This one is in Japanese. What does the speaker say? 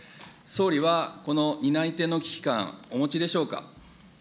総理は、この担い手の危機感、お持ちでしょうか。